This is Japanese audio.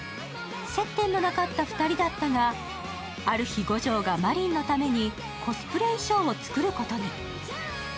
接点のなかった２人だったが、ある日、五条が海夢のためにコスプレ衣装を作ることに。